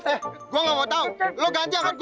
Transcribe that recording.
eh gua nggak mau tau lo ganti angkat gua